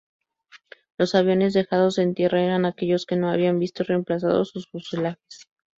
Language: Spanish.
Los aviones dejados en tierra eran aquellos que no habían visto reemplazado sus fuselajes.